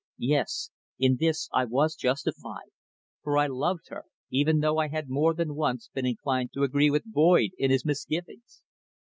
Yes, in this I was justified, for I loved her, even though I had more than once been inclined to agree with Boyd in his misgivings.